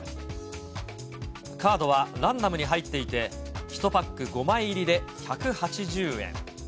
カードはランダムに入っていて、１パック５枚入りで１８０円。